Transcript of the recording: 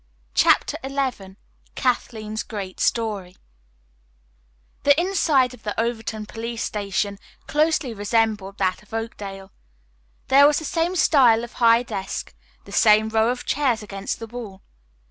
CHAPTER XI KATHLEEN'S GREAT STORY The inside of the Overton police station closely resembled that of Oakdale. There was the same style of high desk, the same row of chairs against the wall.